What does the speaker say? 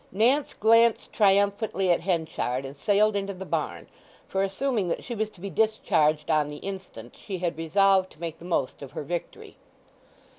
Nance glanced triumphantly at Henchard, and sailed into the barn; for assuming that she was to be discharged on the instant she had resolved to make the most of her victory.